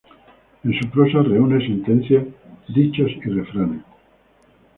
En su prosa reúne sentencias, dichos y refranes.